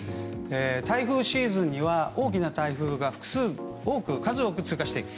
台風シーズンには大きな台風が複数数多く通過していく。